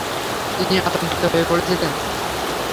তিনি আতঙ্কিত হয়ে পড়েছিলেন।